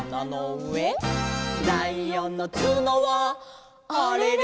「ライオンのつのはあれれ」